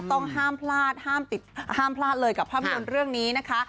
ต้องห้ามพลาดเลยกับภาพยนตร์เรื่องนี้นะคะ